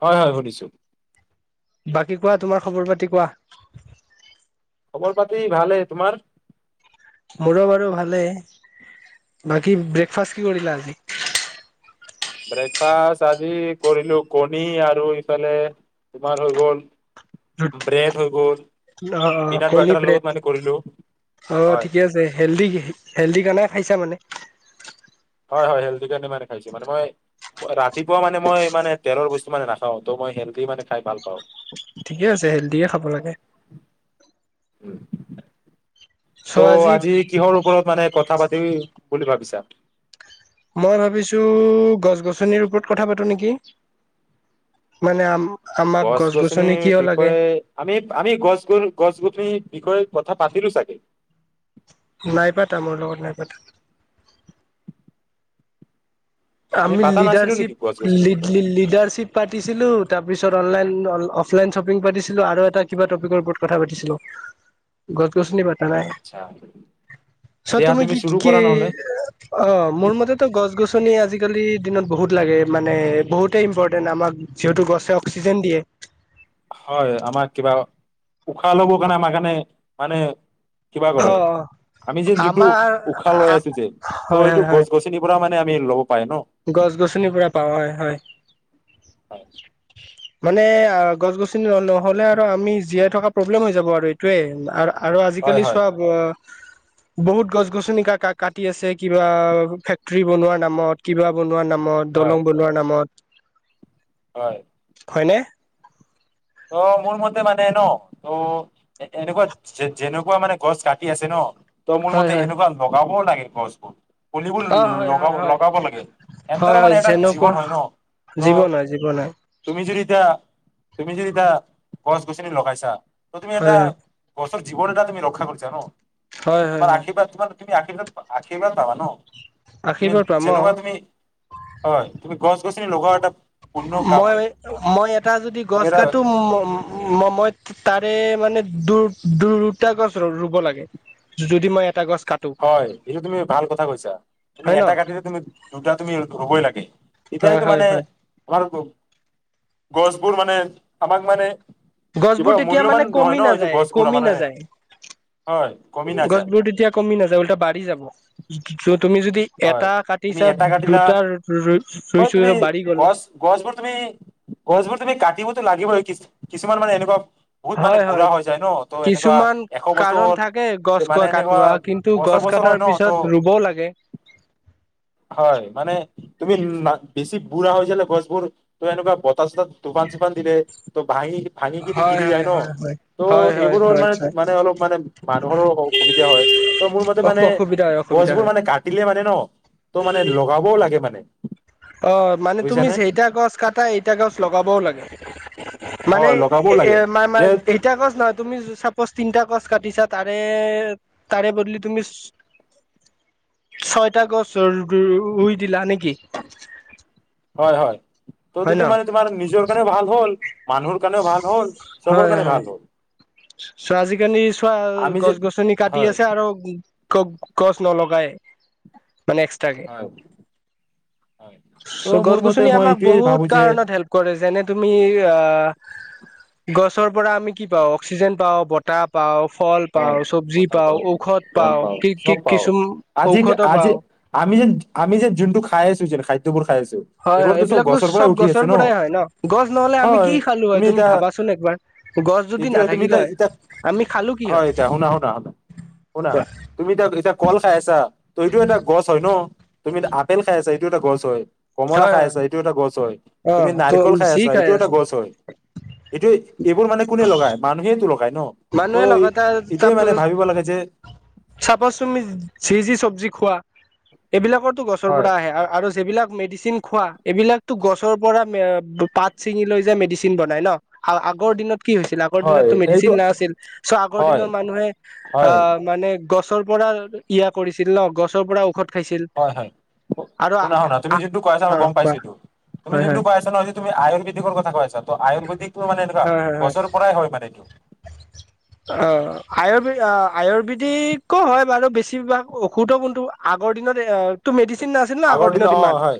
হয়-হয় সুধিছোঁ। বাকী কোৱা তোমাৰ খবৰ পাতি কোৱা। খবৰ পাতি ভালে তোমাৰ? মোৰো বাৰু ভালেই বাকী ব্ৰেকফাষ্ট কি কৰিলা আজি। ব্ৰেকফাষ্ট আজি কৰিলো কণী আৰু ইফালে তোমাৰ হৈ গ'ল, ব্ৰেড হৈ গ'ল অ-অ পিনাট কণী বাটাৰ লগত ব্ৰেড মানে কৰিলো অ হয় ঠিকে আছে হেল্ডি-হেল্ডি খানা খাইছা মানে। হয়-হয় হেল্ডি কাৰণে মানে খাইছো মানে মই ৰাতিপুৱা মানে মই মানে তেলৰ বস্তু মানে নাখাও ত মই হেল্ডী মানে খাই ভাল পাওঁ। ঠিকে আছে হেল্ডিয়ে খাব লাগে। উম, ত' আজি কিহৰ ওপৰত মানে কথা পাতিবি বুলি ভাবিছা। মই ভাবিছো গছ গছনিৰ ওপৰত কথা পাতো নেকি মানে আম, আমাক গছ গছনি গছনিৰ কিয় লাগে বিষয়ে আমি আমি গছ গ গছ গছনি, বিষয়ে কথা পাতিলো চাগে। নাই পাতা মোৰ লগত নাই পাতা, আমি পাতা নাছিলো নেকি গছ গছনিৰ বিষয়ে লিডাৰশিপ-লিডাৰশ্বিপ পাতিছিলো তাৰপিছত অললাইন, অফলাইন শ্বপি পাতিছিলো আৰু এটা কিবা টপিকৰ ওপৰত কথা পাতিচিলোঁ গছ গছনি পা নাই আচ্ছা চ দিয়া তুমি কি চুৰু কি কৰা নহ'লে অ মোৰ মতেতো গছ গছ ু আজি আজিকালি দিনত বহুত লাগে মানে বহুতেই ইম্পৰ্টেণ্ট আমাক যিহেতু গছে অক্সিজেন দিয়ে হয় আমাক কিবা উশাহ ল'বৰ কাৰণে আমাৰ কাৰণে মানে কিবা অ কৰে অ আমি যেন যিটো আমাৰ উশাহ লৈ আছো যেন ত হয় সটো হয় হয় গছ গছনিৰ পৰা মানে আম লগত গছ গছনিৰ পৰাু পাওঁ হয় হয় মানে অ গছ গছনি নহলে আৰু আমি জীয়াই থকা প্ৰব্লেম হৈ যাব আৰু এইটোয়ে আৰু হয় আজিকালি হয় চোৱা বহুত গছ গছনিিকা কাটি আছে কিবা ফেক্টৰী বনোৱাৰ নামত কিবা বনোৱা নাম নামত হয় দলং বলোৱাৰ নামত হয় হয়নে ত মোৰ মতে মানে ন ত এনেকুৱা যেনেকুৱা মানে গছ কাটি আছে ন তই মোৰ হয় মতে হয় এনেকুৱা লগাও ক' লাগে কজত পলিবোৰ অ হয় হয় লগাব হয় লগাব লাগে হয় এনেৰ হয় মানে এটা যেনেকুৱা জীৱন হয় ন ত জীৱন হয় জীৱন হয় তুমি যদি এতিয়া তুমি যদিতিা গছ গছনি লগাইছা তুমি এটা হয় ক জীন এটা তুমি ৰক্ষা কৰিছা ন হয় হয় হয় তোমাৰ হয় আশীৰ্বাদ তোমাৰ তুমি আখি আখীৰ বা যাবা ন তুমি আশীৰ্বাদটো মই যেনেকুৱা তুমি হয় তুমি গছ গছনি লগা এটা পূৰ্ণ কাম মই হয় ত মই এটা গছ গাতো তাৰে মানে দু দুটা গছ ৰুব লাগে যদি মই এটা গছ কাটো হয় এইটো তুমি ভাল কথা কৈছা তুমি হয় ন এটা কাটিতে তুমি দুটা তুমি ধৰুবই লাগে হয় এতিয়াইতো হয় মানে হয় আমাৰ গছবোৰ মানে আমাক মানে। কিবা গছবোৰ তেতিয়া মানে মূল্যবান হয় কমি ন এইটো নাযায় গছবোৰ কমি মানে নাযায় হয় কমি নাযায় গছবোৰ তেতিয়া কমি নাযায়। বাঢ়ি যাব য'ত। হয় তুমি এটা কাটিলা হয় ৰুইছো তুমি বাঢ়ি গ'ল গছ গছবোৰ তুমি গছবোৰ তুমি কাটিবতো লাগিবই কি। কিছুমান মানে এনেকুৱা। বহুত মানে হয় হয় বুঢ়া হৈ যায় ন ত' এনেকুৱা কিছুমান এশ বছৰ কাৰণ থাকে গছ মানে কোৱা এনেকুৱা কটোৱা কিন্তু বছৰ গছ বছৰ হয় কটাৰ ন ত পিছত ৰুবও লাগে। হয় মানে তুমি। বুঢ়া হৈ যালে গছবোৰ ত এনেকুৱা বতাহ চতাহ দোকান চোকান দিলে ত ভাঙি। ভাঙি কিনি হয় গিৰি যায় হয় ন হয় হয়। হয় ত' হয় এইবোৰৰ হয় মানে হয় মানে অলপ মানে মানুহৰো অসুবিধা হয় ত মোৰ মতে মানে অসুবিধা হয় অসুবিধা গছবোৰ হয় মানে কাট। ন ত মানে লগাবও লাগে। থাকে মানে। অ মানে তুমি বুজিছানে সেইটা গছ কটা এইটা গছ লগাবও লাগে। [inaudible] মানে হয় লগাবও এ লাগে যে এটা গছ নহয় তুমি চাপজ তিনটা গছ। কাটিছা তাৰে তাৰে বদলি তুমি ছয়টা গছ ৰুই দিলা নেকি। [inaudible] হয় হয়। ত হয় ন যিটো মানে তোমাৰ নিজৰ কাৰণে ভাল হ'ল। মানুহৰ কাৰণেও ভাল হ'ল। চবৰ কাৰণে ভাল হ'ল। চৌ আজিকালি চোৱা আমি যে গছ গছনি কাটি হয় আছে আৰু। গছ নলগাই মানে এক্সট্ৰাকে হয় হয় ত' চ' গছ মোৰ মতে গছনি মই আমাক এইটোয়ে বহুত ভাবো যে কাৰণত হেল্প কৰে যেনে। তুমি আ গছৰ পৰা আমি কি পাওঁ। অক্সিজেন পাওঁ বতাহ পাওঁ। ফল পাওঁ হয় চব্জি বতাহ পাওঁ ঔষধ ফল পাওঁ পাও কি কি চব পাওঁ কিছু আজি ঔষধো আজি পাওঁ আমি যে আমি যে যোনটো খাই আছোঁ যে খাদ্যবোৰ খাই আছোঁ। হয় হয় এইবিলাকো চব গছৰ পৰাই হয় ন গছ নহ'লে আমি কি হয় খালোঁ হয় তুমি এতিয়া ভাবাচোন একবাৰ গছ যদি এইটোয়ে তুমি নাথাকিলে এতিয়া হয় এতিয়া আমি খালোঁ। হয় এতিয়া শুনা শুনা শুনা শুনা তুমি ত এতিয়া কল খাই আছা। ত এইটো এ গছ হয় ন। তুমি আপেল খাই আছা এইটো এটা গছ হয়। কমলা হয় খাই আছে হয় এইটো এটা গছ হয়। অ তুমি ত নাৰিকল খাই যি আছা, এইটো এটা আছো গছ হয় এইটো এইবোৰ মানে কোনে লগাই মানুহে খাই ন ত মানুহে এই লগাতাৰ এইটোৱে মানে তাৰপাছত ভাবিব লাগে যে চাপজ তুমি যি যি চবজি খোৱা এইবিলাকত গছৰ হয় পৰা আহে আৰু আৰু যেইবিলাক। মেডিচিন খোৱা এইবিলাকতো গছৰ পৰা পাত চিঙি লৈ যে মেডিচিন বনাই ন আগৰ দিনত। কি হৈছিল আগৰ হয় দিনতো এইটো মেডিচিন নাছিল চ' আগৰ হয় দিনৰ মানুহে অ হয় মানে। গছৰ পৰা ইয়া কৰিছিল ন গছৰ পৰা ঔষধ খাইছিল হয় হয় আৰু অ শুনা শুনা তুমি যোনটো কয় আছা মই গম পাইছো কোৱা এইটো তুমি হয় যোনটো হয় কয় আছা ন সেই। তুমি আয়ুৰ্বেদিকৰ কথা কৈ আছা। ত আয়ুৰ্বেদিকো মানে এনেকুৱা হয় হয় হয় গছৰ পৰাই হয় মানে এইটো। অ আয়ুৰ্বে অ আয়ুৰ্বেদিকো হয় বাৰু বেছিভাগ ঔষধো কোনটো আগৰ দিনত এইটো মেডিচিন। মেডিচিন নাছিল ন আগৰ দিন দিনত অ ইমান হয়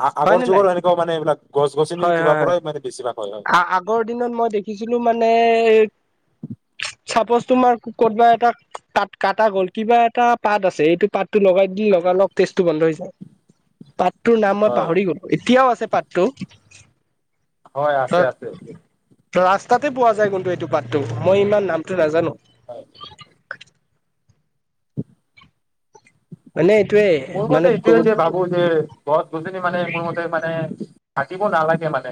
আ- আগৰ হয়নে নাই যুগৰ এনেকুৱা মানে এইবিলাক গছ গছনি হয় কিবা হয় হয় পৰাই মানে বেছিভাগ হয় হয়। আগৰ দিনত মই দেখিছিলো মানে। চাপজ তোমাৰ ক'বা এটা কাট কটা গ'ল কিবা এটা পাত আছে এইটো পাতটো লগাই দি লগা লগ তেজটো বন্ধ হৈ যায়। পাতটোৰ নাম মই হয় পাহৰি গলো এতিয়াও আছে পাতটো। হয় আছে আছে। ৰাস্তাতে পোৱা যায় কিন্তু এইটো পাতটো। মই ইমান নামটো নাজানো। হয়। হয় নে। মোৰ মতে এইটোৱে যে ভাবো যে গছ গছনি মানে মোৰ মতে মানে। কাটিব নালাগে মানে।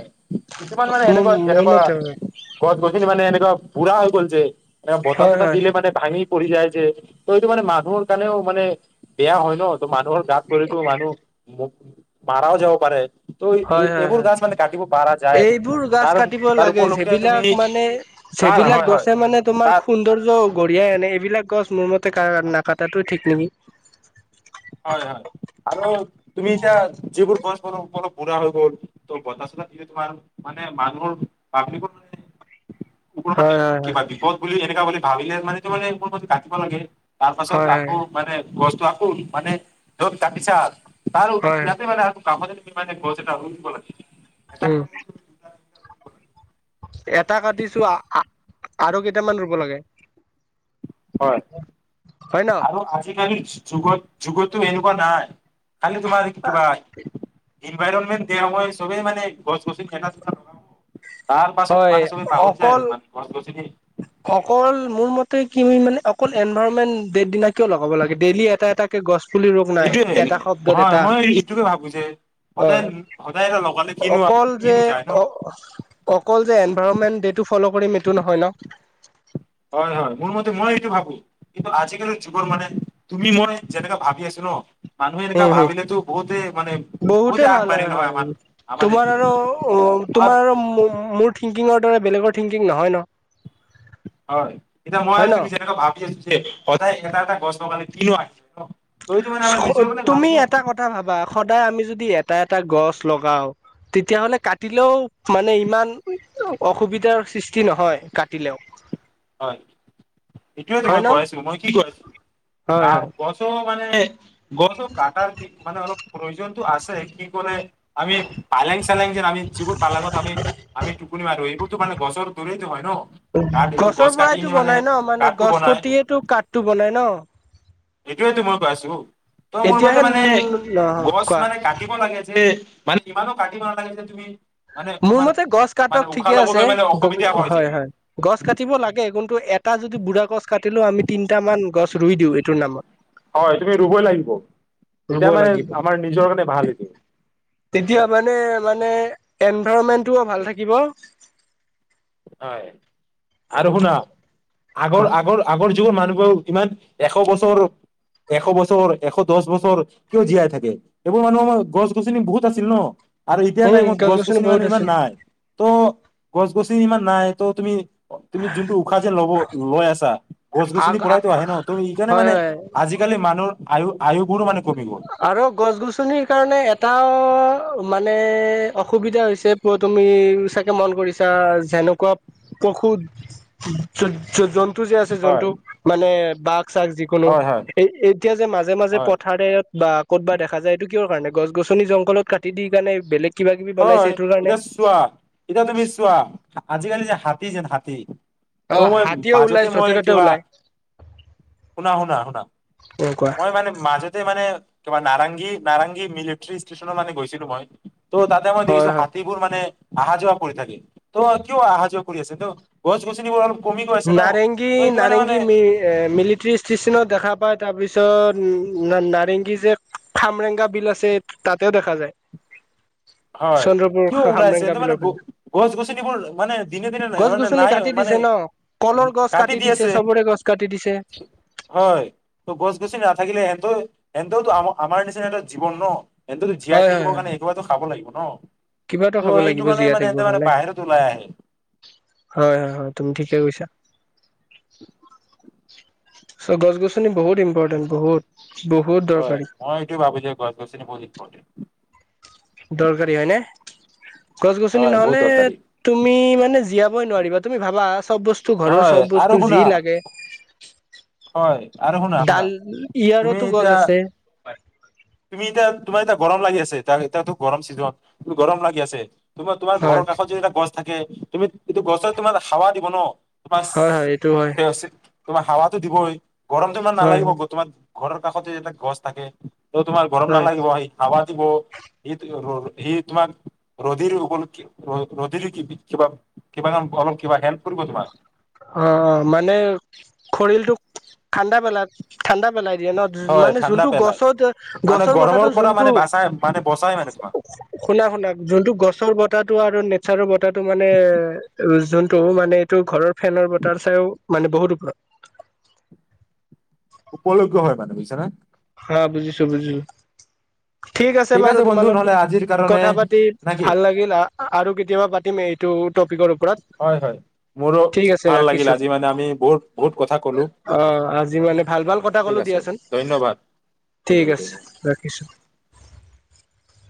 কিছুমান মানে এনেকুৱা মোৰ যেনেকুৱা মতে হয় গছ গছনি মানে এনে। বুৰা হৈ গল যে। এ বতাহ চতাহ হয় দিলে মানে ভাঙি। পৰি যায় যে ত এইটো মানে মানুহৰ কাৰণেও মানে বেয়া হয় ন। মানুহৰ গাত পৰিতো মানুহ। মাৰাও যাব পাৰে। ত' হয় হয় এইবোৰ হয় গাছ মানে কাটিব পাৰা যায় আৰু এইবোৰ গছ তাৰ কাটিব তাৰ লাগে উপলক্ষে তুমি যিবিলাক মানে তাৰ যিবিলাক হয় হয় গছে মানে তোমাৰ তাত সৌন্দৰ্য। কঢ়িয়াই আনে এইবিলাক গছ মোৰ মতে। নাকাটা টো ঠিক নেকি। হয় হয় আৰু তুমি এতিয়া যিবোৰ গছ [unintelligible] পুৰা হৈ গল ত বত চত তোমাৰ মানে মানুহৰ পাব্লিকৰ মানে। হয় হয় [unintelligible] হয় কিবা বিপদ বুলি এনেকুৱা বুলি। ভাবিলে মানে তোমাৰ এই। কিব লাগে তাৰ পাছত হয় আকৌ মান বস্তু আকোন মানে ধত তাকিছা [unintelligible] তাৰ হয় হয় ইয়াতে বেললে আৰু কাম দে [unintelligible] মানে গছ এটা ৰুই দিব লাগে। এটা উম কাৰণে তুমি দুটা তিনিটা ৰুই দিব লাগে। এটা কাটিছো আৰু কেইটামান ৰুব লাগে। হয় হয় ন আৰু আজিকালি যুগত যুগতো এনেকুৱা নাই। কালি তোমাৰ কি কিবা ইনভাইৰনমেণ্ট দিয়া হয় সবেই মানে গছ গছনি [unintelligible] তাৰ পাছত হয় মানে চবে পাহৰি যায় অকল আৰু মানে গছ গছনি। অকল মোৰ মতে কি মানে অকল এনভাইৰনমেন্ট দেৰ দিনা কিয় লগাব লাগে ডেইলি এটা এটাকে গছ ৰোগ নাই এইটোয়ে এটা শব্দত হয় এটা মই এইটোকে ভাবো যে সদায় হয় সদায় এটা লগালে কিনো অকল যে কিনো যায় ন অকল যে ইনভাৰণমেণ্ট ডেটো'ফল কৰিম এইটো নহয় ন। হয় হয় মোৰ মতে মই এইটো ভাবো কিন্তু আজিকালিৰ জীৱন মানে তুমি মই যেনেকা ভাবি আছো ন মানুহে এনেকা উম হ ভাবিলেতো বহুতে মানে বহুতে ভাল হয় আগবাঢ়িল হয় আমাৰ আমাৰ তোমাৰ ইণ্ডিয়া আৰু উ আমাৰ তোমাৰ আৰু মুঠ। থিংকিঙৰ দৰে বেলেগৰ থিংকিং নহয় ন। হয় এতিয়া মই হয় ন তুমি যেনেকৈ ভাবি আছো যে সদায় এটা এটা গছ লগালে। কিন তুমি এটা কথা ভাবা সদায় আমি যদি এ এটা এটা গছ লগাও তেতিয়াহলে কাটিলেও মানে ইমান অসুবিধাৰ সৃষ্টি নহয় কাটিলেও। হয় এইটোৱে তো মই হয় ন কৈ আছো মই কি কছো হয় গা হয় গছও মানে গছটো কটাৰ কি মানে অলপ প্ৰয়োজনতটো আছে কি কৰে আমি পালেং চালেং যেন আমি যিবোৰ পালাঙত আমি আমি টুকুৰি মাৰো এইবোৰ মান গছৰ দূৰে হয় ন তাত এইটো গছৰ গছ কাটি পৰাইতটো কিনে মানে বনাই ন মানে কাঠটো গছ বনাই কটিয়েটো কাঠটো বনাই ন। এইটোয়ে তো মই কৈ আছো। তই মোৰ মতে এতিয়াহে মানে গছ কোৱা মানে কাটিব লাগে যে মানে ইমানো কাটিব নালাগে যে তুমি। মানে মোৰ আমাৰ মতে গছ মানে কাটক উশাহ ঠিকে আছে লবলৈ মানে গ অসুবিধা যে হয় হয় গছ কাটিব লাগে ক এটা যদি বুঢ়া গছ কাটিলেও আমি তিনিটা মান গছ ৰুই দিওঁ এইটোৰ নামত। হয় তুমি ৰুবই লাগিব ৰুব এতিয়া মানে লাগিব আমাৰ নিজৰ কাৰণে ভাল এটো। তেতিয়া মানে মানে এনভাইৰণমেন্টটোও ভাল থাকিব। হয় আৰু শুনা। আগৰ, কোৱা আগৰ, আগৰ যুগৰ মানুহবোৰ ইমান এশ বছৰ, এশ বছৰ, এশ দছ বছৰ কিয় জীয়াই থাকে এইবোৰ মানুহ গছ-গছনি বহুত আছিল ন'। আৰু এতিয়াৰ উম টাইমত গছ গছনি গছ-গছনি মানে বহুত আছে। ইমান নাই। ত' গছ-গছ ইমান নাই ত' তুমি তুমি যোনটো উশাহ যেন লব লৈ আছা আগ গছ-গছনিৰ পৰাইটো আহে ন' তুমি সেইকাৰণে হয় মানে হয় আজিকালি মানুহৰ আয়ু-আয়ুবোৰ মানে কমি গ'ল আৰু গছ-গছনিৰ কাৰণে এটা মানে অসুবিধা হৈছে প' তুমি চাগে মন কৰিছা যেনেকুৱা পশু জ জন টো যে আছে হয় জন্তু মানে বাক চাক যিকোনো, হয় হয় এই এতিয়া যে মাজে মাজে হয় পথাৰেত ক'ত বা দেখা যায় এইটো কিয়ৰ কাৰণে গছ গছনি জংঘলত কাটি দি কাৰণে বেলেগ কিবা কিবি বনাইছে হয় এইটোৰ কাৰণে এতিয়া চোৱা, এতিয়া তুমি চোৱা, আজিকালি যে হাতী হাতী যে হাতী অ ত' মই হাতীও ওলাই মাজতে য'তে মই ত'তে কিবা, ওলাই শুনা শুনা শুনা, এনেকুৱা মই মানে মাজতে মানে তোমাৰ নাৰংগী, নাৰংগী মিলিটাৰী ষ্টেচনৰ মানে গৈছিলো মই। ত' তাতে মই হয় দেখিছো হয় হাতীবোৰ মানে অহা যোৱা কৰি থাকে, ত কিয় অহা যোৱা কৰি আছে, তো গছ গছনিবোৰ অলপ কমি গৈ আছে ন নাৰেংগী ত সেইটো কাৰণে মানে নাৰেংগী মিল মিলিটাৰী ষ্টেশচনত দেখা পায় তাৰ পিছত নাৰেংগী যে খামৰেংগা বিল আছে তাতেও দেখা যায়। হয় চন্দ্ৰপুৰ কিয় ওলাইছে খামৰেংগা কিন্তু বিলৰ মানে ফালে গছ গছনিবোৰ মানে দিনে দিনে ন গছ মানে গছনি নাই কাটি মানে দিছে ন উ কলৰ গছ কাটি দি দিছে আছে। চবৰে গছ কাটি দিছে হয় গছ গছি নাথাকিলে হেহনতো এন্তওতো আমাৰ নিচিনা এটা জীৱন ন? কিন্তুতো জীয়াই থাকিব কাৰণে কিবাটো খাব লাগিব ন? কিবাতো খাব লাগিব কাৰণে জীয়াই মানে থাকিব এতে মানে হ'লে। বাহিৰত ওলাই আহে হয় হয় হয়, তুমি ঠিকে কৈছা। চ' গছ গছনি বহুত ইম্পৰ্টেণ্ট, বহুত। বহুত হয় দৰকাৰী মই এইটো ভাবো যে গছ গছনি বহুত ইম্পৰ্টেট। দৰকাৰী হয়নে? গছ-গছনি হয় বহুত নহলে দৰকাৰী তুমি মানে জীয়া ই নোৱাৰিবা তুমি ভাবা। চব বস্তু, ঘৰৰ হয় চব আৰু বস্তু শুনা যি লাগে হয়, আৰু শুনা, শুনা ডাল তুমি ইয়াৰতো গছ এতিয়া, আছে তুমি এতিয়া, তোমাৰ এতিয়া, গৰম লাগি আছে। এয়া-এতিয়াতো গৰম চিজন, গৰম লাগি আছে। তোমাৰ, তোমাৰ ঘৰ হয় কষত যদি এটা গছ থাকে তুমি এইটো গছত তোমাৰ হাৱা দিব ন'। হয় হয় এইটো হয় মৱচ তোমাৰ, হাৱাত দিবই। গৰমটো ইমান হয় নালাগিব হয় বৰ্তমান। ঘৰৰ কাষতে ইমান গছ থাকে। ত', তোমাৰ গৰম হয় নালাগিব আহি হাৱাত দ, সি, সি তোমাক [unintelligible] কিবা, কিবা অলপ কিবা হেল্প কৰিব তোমাক। অ', অ', মানে খৰিলটো ঠাণ্ডা বেলা, ঠাণ্ডা। পেলাই দিয়ে ন' হয় মানে ঠাণ্ডা যোনটো পেলাই গছত, মানে গছৰ বতো গৰমৰ পৰা যোনটো মানে বাচাই মানে বচাই মানে তোমাক শুনা, শুনা যোনটো গছৰ বত বতটো আৰু নেচাৰৰ বতাহটো মানে যোনটো মানে এইটো ঘৰৰ ফেনৰ বতাৰ চাইও মানে বহুত ওপৰত উপল্গ হয় মানে বুজছনা। হা, বুজিছো, বুজিছো। ঠিক আছে বাৰু, তোমাৰ বন্ধু লগত নহ'লে আজিৰ কাৰণে কথা পাতি নাকি? ভাল লাগিল, আহ আৰু কেতিয়াবা পাতিম এই এইটো টপিকৰ ওপৰত হয়, হয় মোৰো ঠিক আছে ভাল লাগিল, ৰাখিছো আজি মানে আমি বহুত, বহুত কথা ক'লো অ আজি মানে ভাল ভাল কথা ঠিক কলো আছে দিয়াচোন ধন্যবাদ। ঠিক আছে, ৰাখিছো। [inaudible]